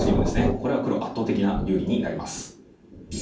これは黒圧倒的な有利になります。